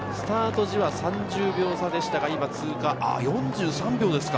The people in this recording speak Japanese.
スタート時は３０秒差でしたが今通過、４３秒ですか。